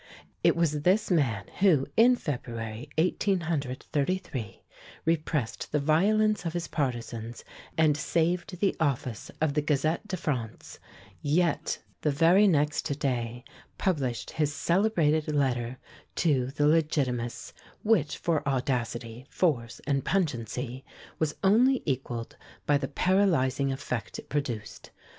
It was this man who, in February, 1833, repressed the violence of his partisans and saved the office of the "Gazette de France," yet the very next day published his celebrated letter to the Legitimists, which, for audacity, force and pungency was only equaled by the paralyzing effect it produced.